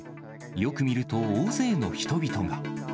よく見ると、大勢の人々が。